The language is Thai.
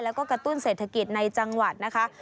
แล้วก็กระตุ้นเศรษฐกิจในจังหวัดนะคะ